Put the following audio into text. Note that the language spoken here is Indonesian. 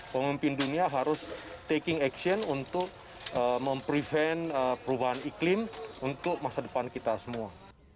pemimpin dunia harus taking action untuk memprevent perubahan iklim untuk masa depan kita semua